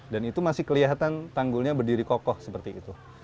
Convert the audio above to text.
dan itu masih kelihatan tanggulnya berdiri kokoh seperti itu